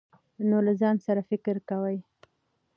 نو له ځان سره فکر کوي ،